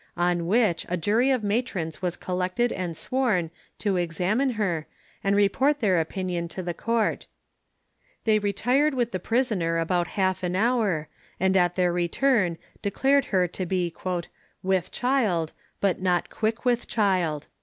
On which a jury of matrons was collected and sworn, to examine her, and report their opinion to the court. They retired with the prisoner about half an hour, and at their return declared her to be "with child, but not quick with child."